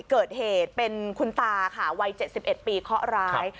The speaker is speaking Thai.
เกิดเหตุเป็นคุณตาค่ะวัย๗๑ปีเคาะร้าย